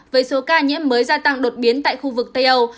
với số ca nhiễm mới gia tăng đột biến tại khu vực tây âu